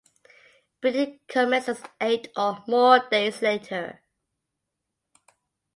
Breeding commences eight or more days later.